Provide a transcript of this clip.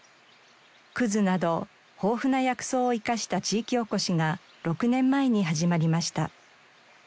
クズなど豊富な薬草を生かした地域おこしが６年前に始まりました。